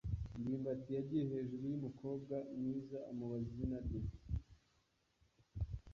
ndimbati yagiye hejuru yumukobwa mwiza amubaza izina rye.